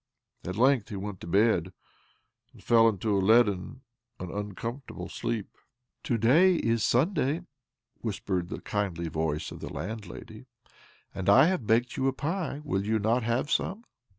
At length he went to bed, and fell into a leaden, an uncomfortable sleep. .•." To day is Sunday," whispered the kindly voice of the landlady, " and I have baked you a pie. Will you not have some?"